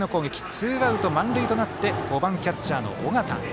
ツーアウト満塁となって５番、キャッチャーの尾形。